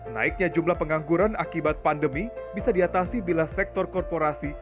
naiknya jumlah pengangguran akibat pandemi bisa diatasi bila sektor korporasi